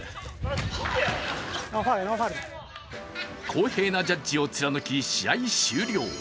公平なジャッジを貫き試合終了。